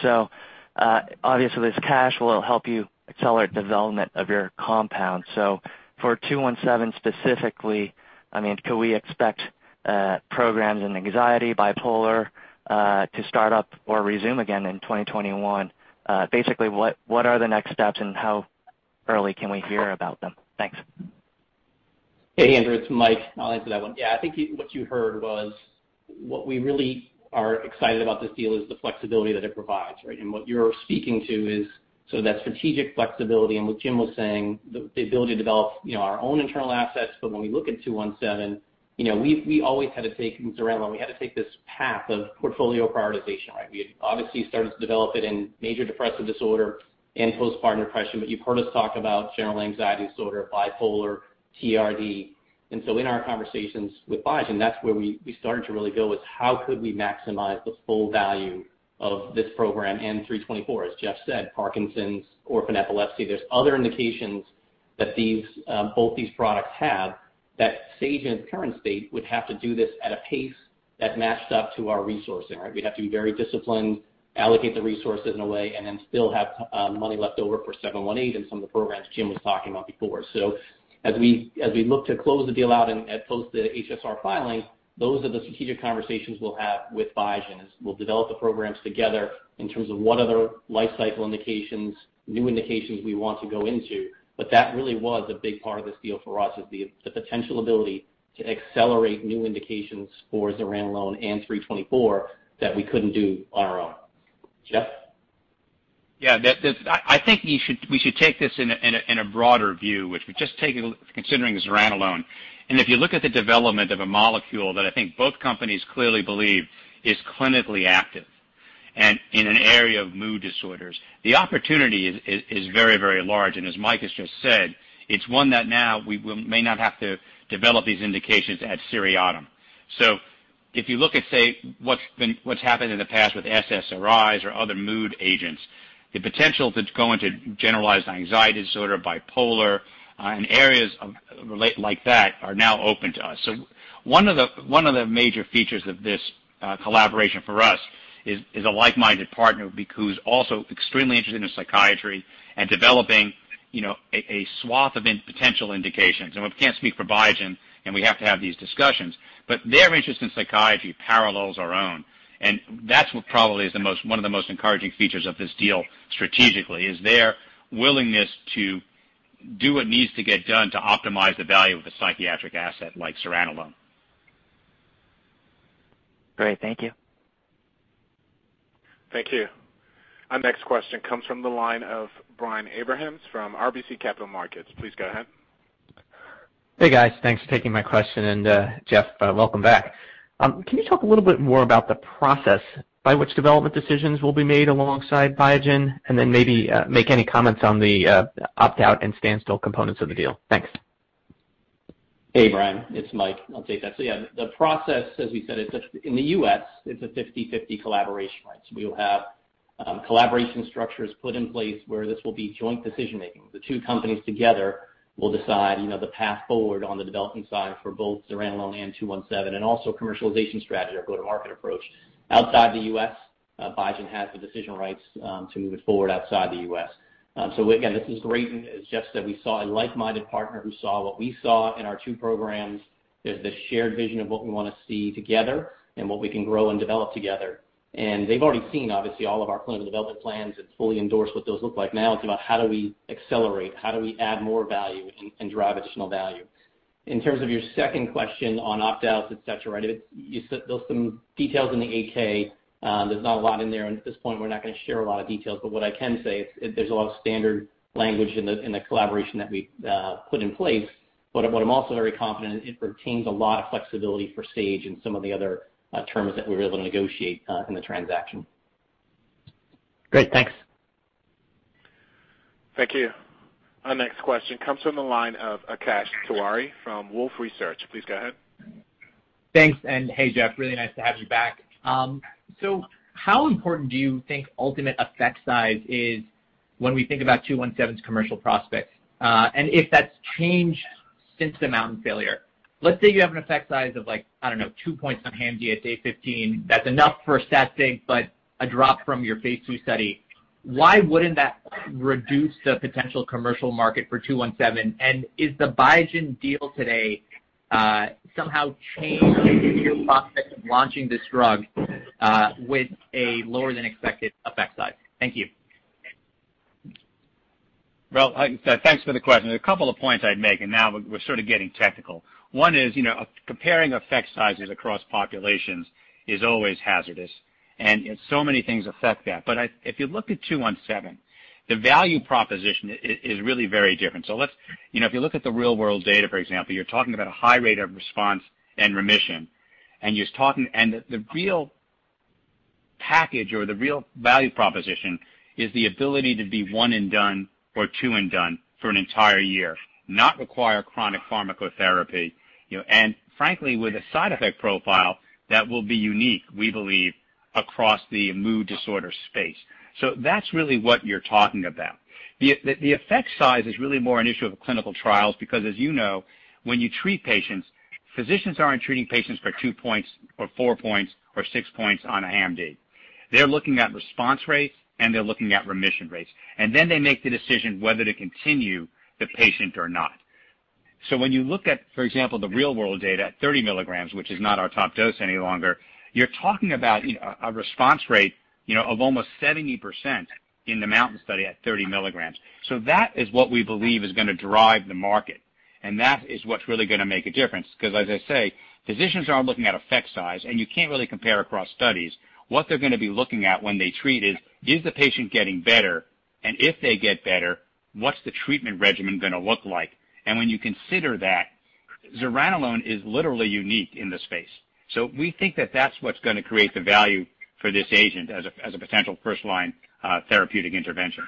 Obviously this cash will help you accelerate development of your compounds. For 217 specifically, can we expect programs in anxiety, bipolar to start up or resume again in 2021? Basically, what are the next steps, and how early can we hear about them? Thanks. Hey, Andrew, it's Mike. I'll answer that one. Yeah, I think what you heard was what we really are excited about this deal is the flexibility that it provides, right? What you're speaking to is that strategic flexibility and what Jim was saying, the ability to develop our own internal assets. When we look at 217, we always had to take zuranolone. We had to take this path of portfolio prioritization, right? We had obviously started to develop it in major depressive disorder and postpartum depression. You've heard us talk about generalized anxiety disorder, bipolar, TRD. In our conversations with Biogen, that's where we started to really go with how could we maximize the full value of this program and 324. As Jeff said, Parkinson's, orphan epilepsy. There's other indications that both these products have that Sage in its current state would have to do this at a pace that matched up to our resourcing, right? We'd have to be very disciplined, allocate the resources in a way, and then still have money left over for 718 and some of the programs Jim was talking about before. As we look to close the deal out and post the HSR filing, those are the strategic conversations we'll have with Biogen, is we'll develop the programs together in terms of what other life cycle indications, new indications we want to go into. That really was a big part of this deal for us, is the potential ability to accelerate new indications for zuranolone and 324 that we couldn't do on our own. Jeff? Yeah. I think we should take this in a broader view, which we just take considering zuranolone. If you look at the development of a molecule that I think both companies clearly believe is clinically active and in an area of mood disorders, the opportunity is very large. As Mike has just said, it's one that now we may not have to develop these indications ad seriatim. If you look at, say, what's happened in the past with SSRIs or other mood agents, the potential to go into generalized anxiety disorder, bipolar, and areas like that are now open to us. One of the major features of this collaboration for us is a like-minded partner who's also extremely interested in psychiatry and developing a swath of potential indications. We can't speak for Biogen, and we have to have these discussions, but their interest in psychiatry parallels our own. That's what probably is one of the most encouraging features of this deal strategically, is their willingness to do what needs to get done to optimize the value of a psychiatric asset like zuranolone. Great. Thank you. Thank you. Our next question comes from the line of Brian Abrahams from RBC Capital Markets. Please go ahead. Hey, guys. Thanks for taking my question. Jeff, welcome back. Can you talk a little bit more about the process by which development decisions will be made alongside Biogen? Then maybe make any comments on the opt-out and standstill components of the deal. Thanks. Hey, Brian. It's Mike. I'll take that. Yeah, the process, as we said, in the U.S., it's a 50/50 collaboration, right? We will have collaboration structures put in place where this will be joint decision-making. The two companies together will decide the path forward on the development side for both zuranolone and 217, and also commercialization strategy, our go-to-market approach. Outside the U.S., Biogen has the decision rights to move it forward outside the U.S. Again, this is great. As Jeff said, we saw a like-minded partner who saw what we saw in our two programs. There's this shared vision of what we want to see together and what we can grow and develop together. They've already seen, obviously, all of our clinical development plans and fully endorse what those look like. Now it's about how do we accelerate, how do we add more value and drive additional value? In terms of your second question on opt-outs, et cetera, there's some details in the 8-K. There's not a lot in there, and at this point, we're not going to share a lot of details, but what I can say is there's a lot of standard language in the collaboration that we put in place. What I'm also very confident, it retains a lot of flexibility for Sage and some of the other terms that we were able to negotiate in the transaction. Great. Thanks. Thank you. Our next question comes from the line of Akash Tewari from Wolfe Research. Please go ahead. Thanks. Hey, Jeff, really nice to have you back. How important do you think ultimate effect size is when we think about 217's commercial prospects? If that's changed since the MOUNTAIN failure? Let's say you have an effect size of like, I don't know, 2 points on HAM-D at day 15. That's enough for statistics, but a drop from your phase II study. Why wouldn't that reduce the potential commercial market for 217? Is the Biogen deal today somehow change your prospects of launching this drug with a lower than expected effect size? Thank you. Well, thanks for the question. A couple of points I'd make, and now we're sort of getting technical. One is, comparing effect sizes across populations is always hazardous, and so many things affect that. If you look at SAGE-217, the value proposition is really very different. If you look at the real-world data, for example, you're talking about a high rate of response and remission. The real package or the real value proposition is the ability to be one and done or two and done for an entire year, not require chronic pharmacotherapy. Frankly, with a side effect profile that will be unique, we believe, across the mood disorder space. That's really what you're talking about. The effect size is really more an issue of clinical trials because as you know, when you treat patients, physicians aren't treating patients for 2 points or 4 points or 6 points on a HAM-D. They make the decision whether to continue the patient or not. When you look at, for example, the real-world data at 30 mgs, which is not our top dose any longer, you're talking about a response rate of almost 70% in the MOUNTAIN study at 30 mg. Because as I say, physicians aren't looking at effect size, and you can't really compare across studies. What they're going to be looking at when they treat is the patient getting better? If they get better, what's the treatment regimen going to look like? When you consider that, zuranolone is literally unique in the space. We think that that's what's going to create the value for this agent as a potential first-line therapeutic intervention.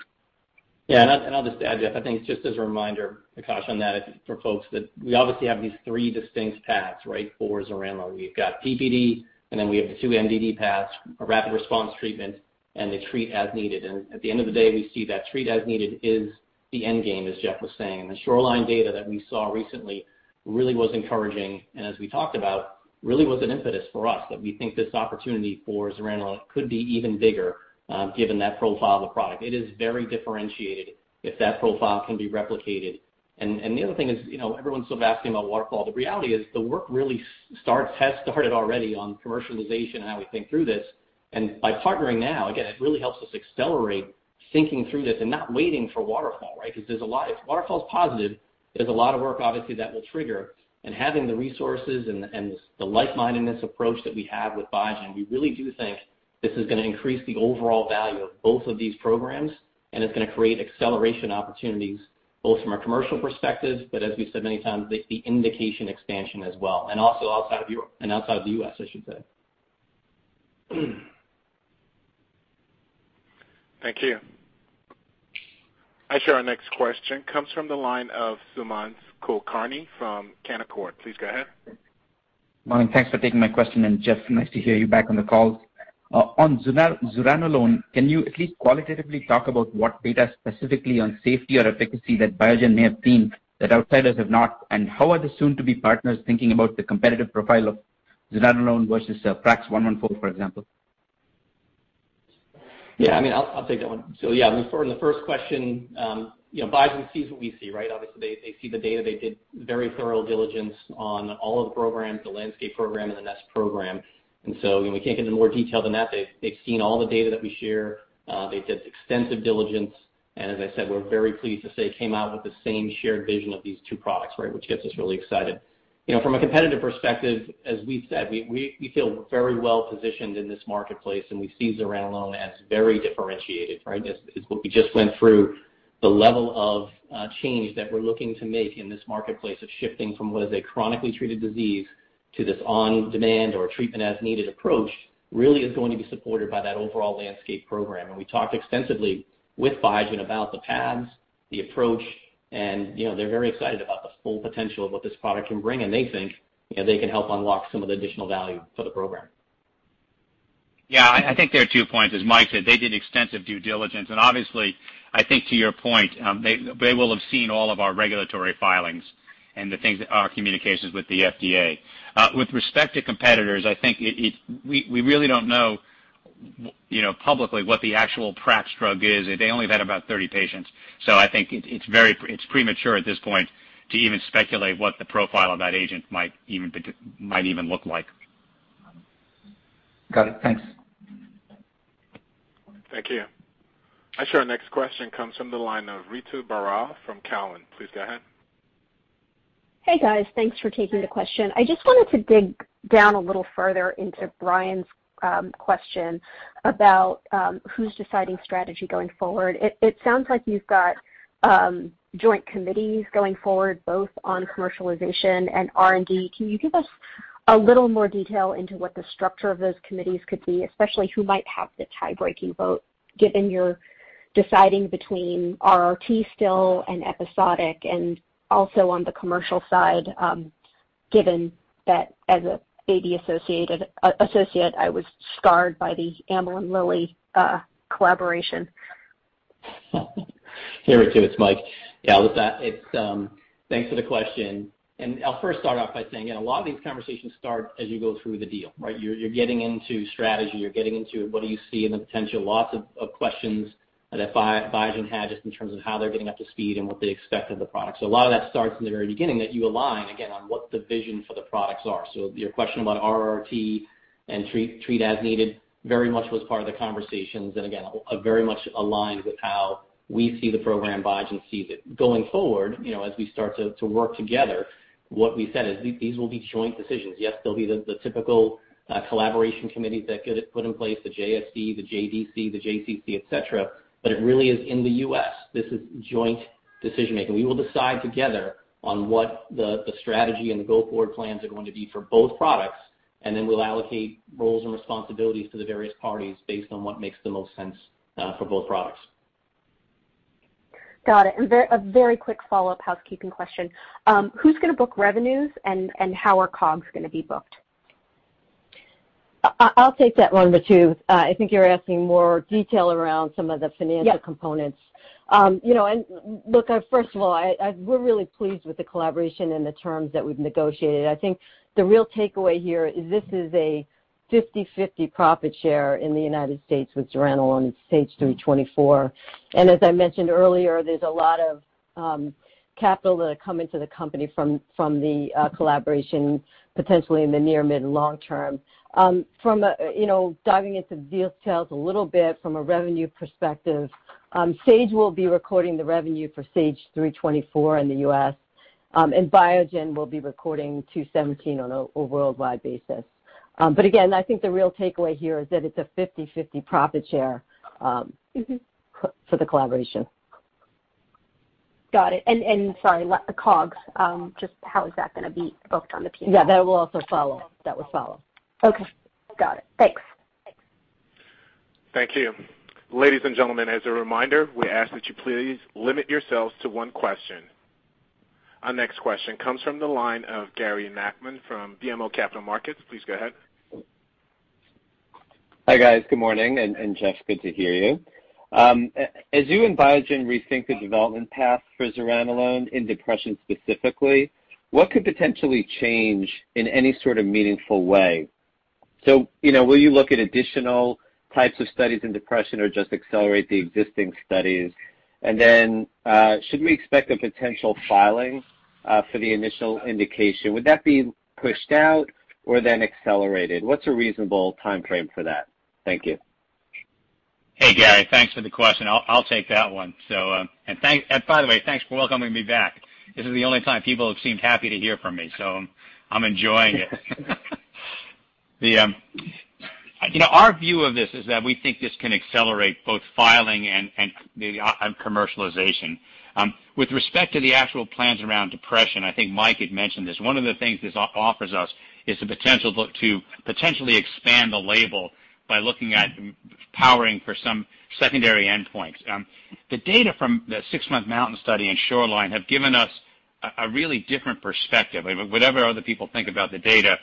Yeah, I'll just add, Jeff, I think just as a reminder, a caution on that for folks that we obviously have these three distinct paths, right, for zuranolone. We've got PPD, and then we have the two MDD paths, a rapid response treatment and the treat as needed. At the end of the day, we see that treat as needed is the end game, as Jeff was saying. The SHORELINE data that we saw recently really was encouraging and as we talked about, really was an impetus for us that we think this opportunity for zuranolone could be even bigger given that profile of the product. It is very differentiated if that profile can be replicated. The other thing is, everyone's still asking about WATERFALL. The reality is the work really has started already on commercialization and how we think through this. By partnering now, again, it really helps us accelerate thinking through this and not waiting for WATERFALL, right? If WATERFALL's positive, there's a lot of work obviously that will trigger, and having the resources and the like-mindedness approach that we have with Biogen, we really do think this is going to increase the overall value of both of these programs, and it's going to create acceleration opportunities both from a commercial perspective, but as we've said many times, the indication expansion as well. Also outside of the U.S., I should say. Thank you. I show our next question comes from the line of Sumant Kulkarni from Canaccord. Please go ahead. Morning. Thanks for taking my question, and Jeff, nice to hear you back on the call. On zuranolone, can you at least qualitatively talk about what data specifically on safety or efficacy that Biogen may have seen that outsiders have not? How are the soon-to-be partners thinking about the competitive profile of zuranolone versus PRAX-114, for example? Yeah, I'll take that one. Yeah, in the first question, Biogen sees what we see, right? Obviously, they see the data. They did very thorough diligence on all of the programs, the LANDSCAPE program and the NEST program. We can't get into more detail than that. They've seen all the data that we share. They did extensive diligence, and as I said, we're very pleased to say came out with the same shared vision of these two products, right? Which gets us really excited. From a competitive perspective, as we've said, we feel very well positioned in this marketplace, and we see zuranolone as very differentiated, right? As what we just went through, the level of change that we're looking to make in this marketplace of shifting from what is a chronically treated disease to this on-demand or treatment as needed approach really is going to be supported by that overall LANDSCAPE program. We talked extensively with Biogen about the paths, the approach, and they're very excited about the full potential of what this product can bring, and they think they can help unlock some of the additional value for the program. Yeah, I think there are two points. As Mike said, they did extensive due diligence, and obviously, I think to your point, they will have seen all of our regulatory filings and our communications with the FDA. With respect to competitors, I think we really don't know publicly what the actual PRAX drug is. They only had about 30 patients. I think it's premature at this point to even speculate what the profile of that agent might even look like. Got it. Thanks. Thank you. I show our next question comes from the line of Ritu Baral from Cowen. Please go ahead. Hey, guys. Thanks for taking the question. I just wanted to dig down a little further into Brian's question about who's deciding strategy going forward. It sounds like you've got joint committees going forward, both on commercialization and R&D. Can you give us a little more detail into what the structure of those committees could be, especially who might have the tie-breaking vote, given you're deciding between RRT still and episodic, and also on the commercial side, given that as an AD associate, I was scarred by the Amylin-Lilly collaboration? Here we go. It's Mike. Yeah, thanks for the question. I'll first start off by saying, a lot of these conversations start as you go through the deal. You're getting into strategy. You're getting into what do you see in the potential. Lots of questions that Biogen had just in terms of how they're getting up to speed and what they expect of the product. A lot of that starts in the very beginning that you align, again, on what the vision for the products are. Your question about RRT and treat as needed very much was part of the conversations, and again, very much aligned with how we see the program, Biogen sees it. Going forward, as we start to work together, what we said is these will be joint decisions. Yes, there'll be the typical collaboration committees that get put in place, the JSC, the JDP, the [JZC], et cetera. It really is in the U.S. This is joint decision-making. We will decide together on what the strategy and the go-forward plans are going to be for both products, and then we'll allocate roles and responsibilities to the various parties based on what makes the most sense for both products. Got it. A very quick follow-up housekeeping question. Who's going to book revenues, and how are COGS going to be booked? I'll take that one, Ritu. I think you're asking more detail around some of the financial components. Yeah. Look, first of all, we're really pleased with the collaboration and the terms that we've negotiated. I think the real takeaway here is this is a 50/50 profit share in the United States with zuranolone and SAGE-324. As I mentioned earlier, there's a lot of capital that will come into the company from the collaboration, potentially in the near, mid, and long term. Diving into deal details a little bit from a revenue perspective, Sage will be recording the revenue for SAGE-324 in the U.S., and Biogen will be recording SAGE-217 on a worldwide basis. Again, I think the real takeaway here is that it's a 50/50 profit share for the collaboration. Got it. Sorry, the COGS, just how is that going to be booked on the P&L? Yeah, that will also follow. That will follow. Okay. Got it. Thanks. Thank you. Ladies and gentlemen, as a reminder, we ask that you please limit yourselves to one question. Our next question comes from the line of Gary Nachman from BMO Capital Markets. Please go ahead. Hi, guys. Good morning. Jeff, good to hear you. As you and Biogen rethink the development path for zuranolone in depression specifically, what could potentially change in any sort of meaningful way? Will you look at additional types of studies in depression or just accelerate the existing studies? Should we expect a potential filing for the initial indication? Would that be pushed out or then accelerated? What's a reasonable timeframe for that? Thank you. Hey, Gary. Thanks for the question. I'll take that one. Finally, thanks for welcoming me back. This is the only time people have seemed happy to hear from me, so I'm enjoying it. Our view of this is that we think this can accelerate both filing and commercialization. With respect to the actual plans around depression, I think Mike had mentioned this. One of the things this offers us is the potential to potentially expand the label by looking at powering for some secondary endpoints. The data from the six-month MOUNTAIN study and SHORELINE have given us a really different perspective. Whatever other people think about the data,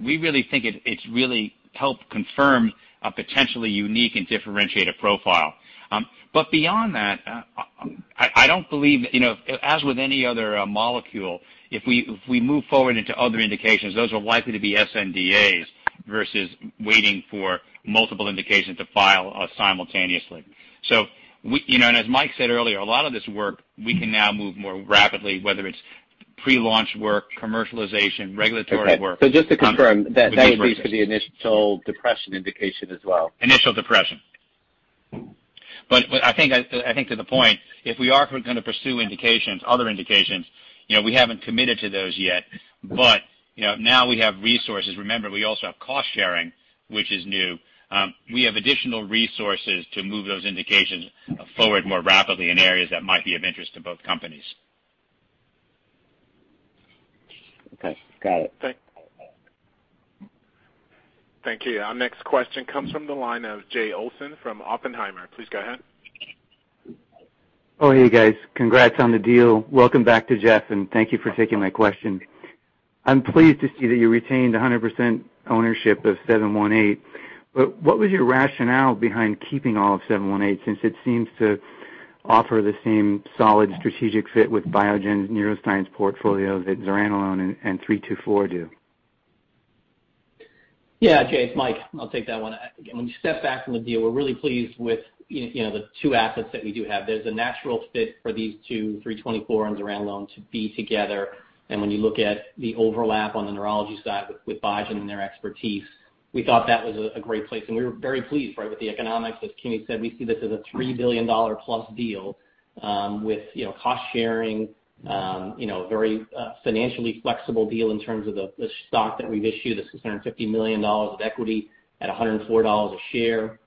we really think it's really helped confirm a potentially unique and differentiated profile. Beyond that, I don't believe, as with any other molecule, if we move forward into other indications, those are likely to be sNDAs versus waiting for multiple indications to file simultaneously. As Mike said earlier, a lot of this work, we can now move more rapidly, whether it's pre-launch work, commercialization, regulatory work. Okay. Just to confirm. we can move- That includes for the initial depression indication as well. Initial depression. I think to the point, if we are going to pursue other indications, we haven't committed to those yet. Now we have resources. Remember, we also have cost-sharing, which is new. We have additional resources to move those indications forward more rapidly in areas that might be of interest to both companies. Okay. Got it. Thank you. Our next question comes from the line of Jay Olson from Oppenheimer. Please go ahead. Oh, hey guys. Congrats on the deal. Welcome back to Jeff, and thank you for taking my question. I'm pleased to see that you retained 100% ownership of 718. What was your rationale behind keeping all of 718, since it seems to offer the same solid strategic fit with Biogen's neuroscience portfolio that zuranolone and 324 do? Yeah, Jay, it's Mike. I'll take that one. When you step back from the deal, we're really pleased with the two assets that we do have. There's a natural fit for these two, SAGE-324 and zuranolone to be together. When you look at the overlap on the neurology side with Biogen and their expertise, we thought that was a great place, and we were very pleased with the economics. As Kimi said, we see this as a $3 billion plus deal with cost-sharing. A very financially flexible deal in terms of the stock that we've issued. This is $150 million of equity at $104 a share.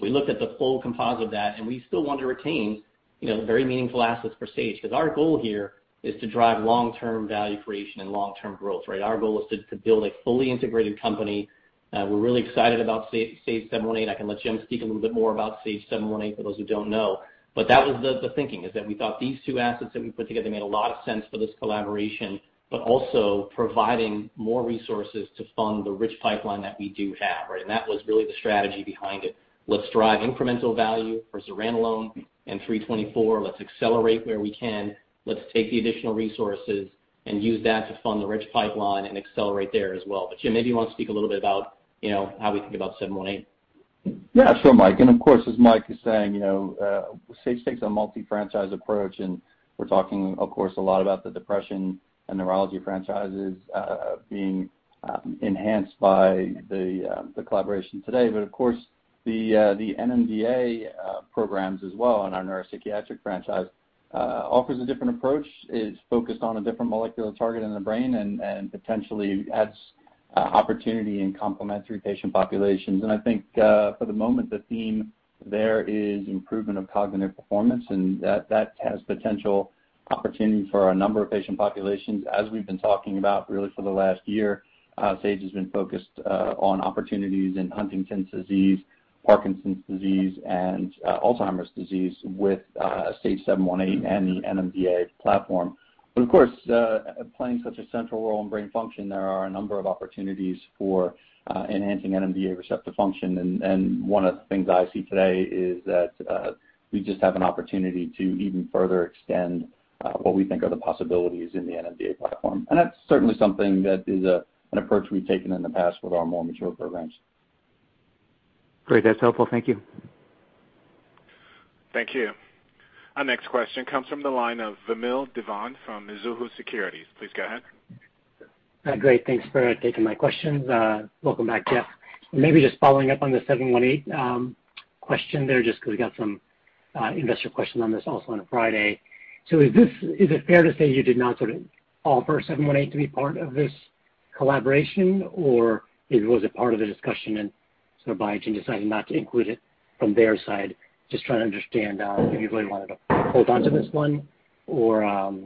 We looked at the full composite of that, and we still want to retain very meaningful assets for Sage, because our goal here is to drive long-term value creation and long-term growth. Our goal is to build a fully integrated company. We're really excited about SAGE-718. I can let Jim speak a little bit more about SAGE-718 for those who don't know. That was the thinking, is that we thought these two assets that we put together made a lot of sense for this collaboration, but also providing more resources to fund the rich pipeline that we do have. That was really the strategy behind it. Let's drive incremental value for zuranolone and SAGE-324. Let's accelerate where we can. Let's take the additional resources and use that to fund the rich pipeline and accelerate there as well. Jim, maybe you want to speak a little bit about how we think about SAGE-718. Yeah, sure, Mike. Of course, as Mike is saying, Sage takes a multi-franchise approach and we're talking, of course, a lot about the depression and neurology franchises being enhanced by the collaboration today. Of course, the NMDA programs as well in our neuropsychiatric franchise offers a different approach. It's focused on a different molecular target in the brain and potentially adds opportunity and complementary patient populations. I think for the moment, the theme there is improvement of cognitive performance, and that has potential opportunity for a number of patient populations as we've been talking about really for the last year. Sage has been focused on opportunities in Huntington's disease, Parkinson's disease, and Alzheimer's disease with SAGE-718 and the NMDA platform. Of course, playing such a central role in brain function, there are a number of opportunities for enhancing NMDA receptor function. One of the things I see today is that we just have an opportunity to even further extend what we think are the possibilities in the NMDA platform. That's certainly something that is an approach we've taken in the past with our more mature programs. Great. That's helpful. Thank you. Thank you. Our next question comes from the line of Vamil Divan from Mizuho Securities. Please go ahead. Great. Thanks for taking my questions. Welcome back, Jeff. Maybe just following up on the 718 question there, just because we got some investor questions on this also on Friday. Is it fair to say you did not sort of offer 718 to be part of this collaboration, or it was a part of the discussion and so Biogen decided not to include it from their side? Just trying to understand if you really wanted to hold onto this one or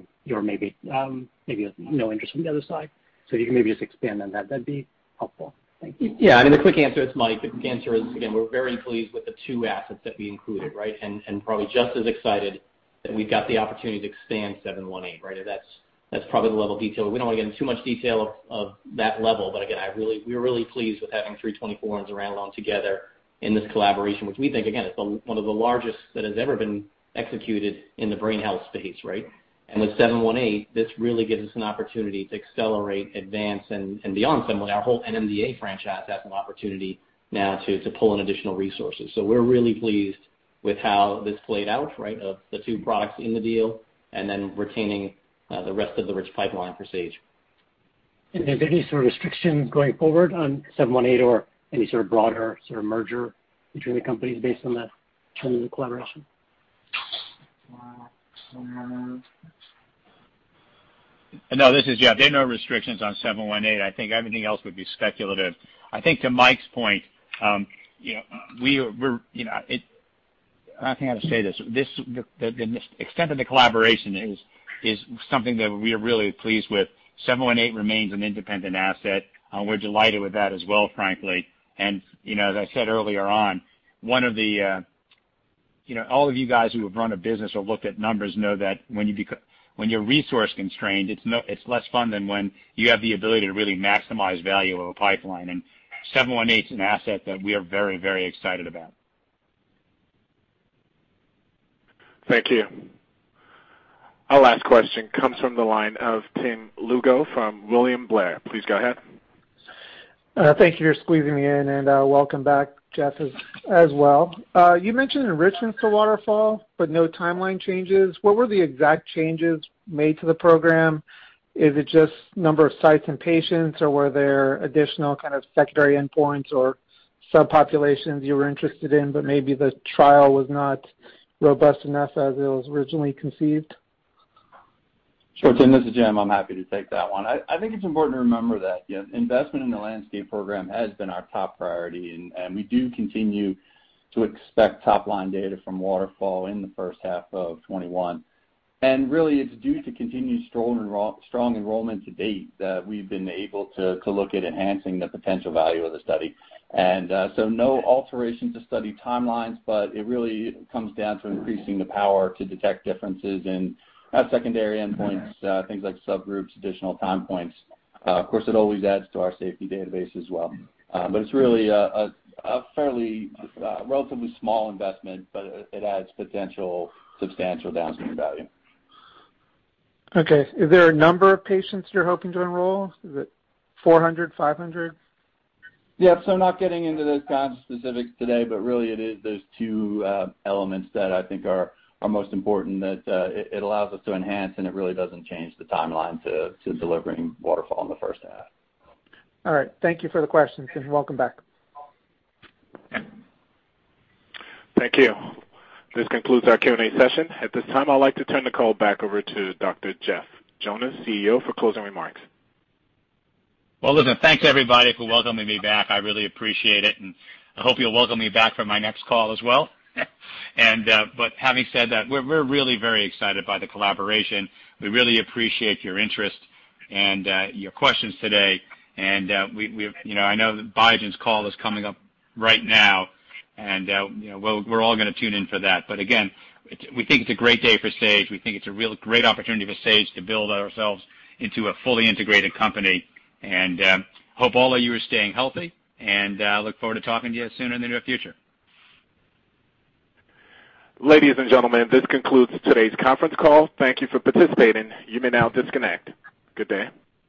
maybe there's no interest from the other side. If you can maybe just expand on that'd be helpful. Thank you. Yeah. The quick answer is, Mike, the answer is, again, we're very pleased with the two assets that we included, right? Probably just as excited that we've got the opportunity to expand 718. That's probably the level of detail. We don't want to get in too much detail of that level, again, we're really pleased with having 324 and zuranolone together in this collaboration, which we think, again, is one of the largest that has ever been executed in the brain health space, right? With 718, this really gives us an opportunity to accelerate, advance and beyond. Similarly, our whole NMDA franchise has an opportunity now to pull in additional resources. We're really pleased with how this played out, of the two products in the deal and then retaining the rest of the rich pipeline for Sage. Are there any sort of restrictions going forward on 718 or any sort of broader sort of merger between the companies based on that terms of the collaboration? No, this is Jeff. There are no restrictions on 718. I think everything else would be speculative. I think to Mike's point, I think I have to say this, the extent of the collaboration is something that we are really pleased with. 718 remains an independent asset. We're delighted with that as well, frankly. As I said earlier on, all of you guys who have run a business or looked at numbers know that when you're resource constrained, it's less fun than when you have the ability to really maximize value of a pipeline. 718 is an asset that we are very excited about. Thank you. Our last question comes from the line of Tim Lugo from William Blair. Please go ahead. Thank you for squeezing me in, and welcome back, Jeff, as well. You mentioned enrichments to WATERFALL, but no timeline changes. What were the exact changes made to the program? Is it just number of sites and patients, or were there additional kind of secondary endpoints or subpopulations you were interested in, but maybe the trial was not robust enough as it was originally conceived? Sure Tim, this is Jim. I'm happy to take that one. I think it's important to remember that investment in the LANDSCAPE program has been our top priority. We do continue to expect top-line data from WATERFALL in the first half of 2021. Really, it's due to continued strong enrollment to date that we've been able to look at enhancing the potential value of the study. No alterations to study timelines, it really comes down to increasing the power to detect differences in secondary endpoints, things like subgroups, additional time points. Of course, it always adds to our safety database as well. It's really a fairly relatively small investment. It adds potential substantial downstream value. Okay. Is there a number of patients you're hoping to enroll? Is it 400, 500? Yeah. Not getting into those kinds of specifics today, but really it is those two elements that I think are most important that it allows us to enhance, and it really doesn't change the timeline to delivering Waterfall in the first half. All right. Thank you for the questions, and welcome back. Thank you. This concludes our Q&A session. At this time, I'd like to turn the call back over to Dr. Jeff Jonas, CEO, for closing remarks. Well, listen, thanks everybody for welcoming me back. I really appreciate it, and I hope you'll welcome me back for my next call as well. Having said that, we're really very excited by the collaboration. We really appreciate your interest and your questions today. I know Biogen's call is coming up right now, and we're all going to tune in for that. Again, we think it's a great day for Sage. We think it's a real great opportunity for Sage to build ourselves into a fully integrated company. Hope all of you are staying healthy, and look forward to talking to you sooner in the near future. Ladies and gentlemen, this concludes today's conference call. Thank you for participating. You may now disconnect. Good day.